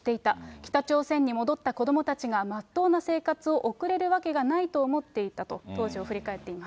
北朝鮮に戻った子どもたちがまっとうな生活を送れるわけがないと思っていたと、当時を振り返っています。